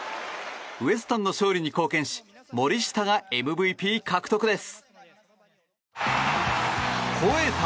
ウエスタンの勝利に貢献し森下が ＭＶＰ 獲得です。